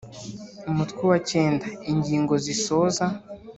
Umutwe wa ix ingingo zisoza